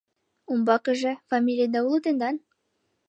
— Умбакыже, фамилийда уло тендан?